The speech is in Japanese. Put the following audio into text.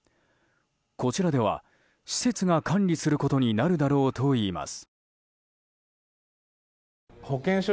こちらでは施設が管理することになるだろうといいます。